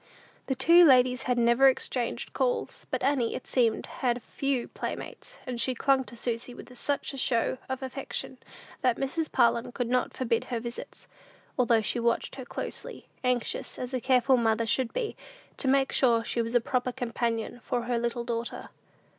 The two ladies had never exchanged calls; but Annie, it seemed, had few playmates, and she clung to Susy with such a show of affection, that Mrs. Parlin could not forbid her visits, although she watched her closely; anxious, as a careful mother should be, to make sure she was a proper companion for her little daughter.